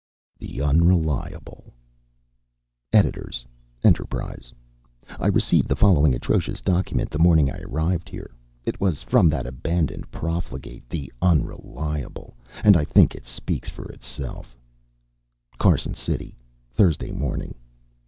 THE UNRELIABLE EDS. ENTERPRISE I received the following atrocious document the morning I arrived here. It was from that abandoned profligate, the Unreliable, and I think it speaks for itself: CARSON CITY, Thursday Morning.